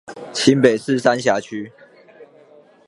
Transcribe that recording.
新北市三峽區